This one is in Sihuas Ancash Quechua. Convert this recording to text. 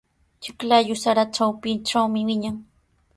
Chiklayuqa sara trawpintrawmi wiñan.